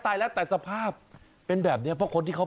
แต่สภาพเป็นแบบนี้เพราะคนที่เขา